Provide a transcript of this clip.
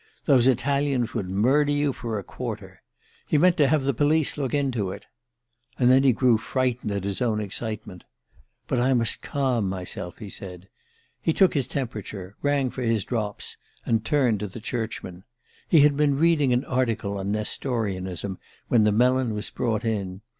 Those Italians would murder you for a quarter. He meant to have the police look into it... And then he grew frightened at his own excitement. 'But I must calm myself,' he said. He took his temperature, rang for his drops, and turned to the Churchman. He had been reading an article on Nestorianism when the melon was brought in.